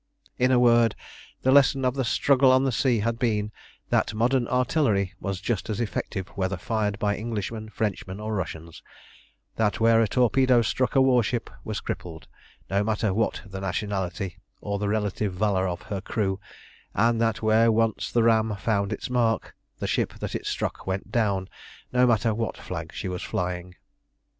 In a word, the lesson of the struggle on the sea had been, that modern artillery was just as effective whether fired by Englishmen, Frenchmen, or Russians; that where a torpedo struck a warship was crippled, no matter what the nationality or the relative valour of her crew; and that where once the ram found its mark the ship that it struck went down, no matter what flag she was flying.